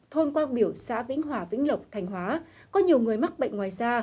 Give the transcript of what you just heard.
thôn quang biểu xã vĩnh hòa vĩnh lộc thành hóa có nhiều người mắc bệnh ngoài da